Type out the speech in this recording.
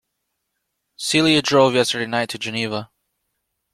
Celia drove yesterday night to Geneva.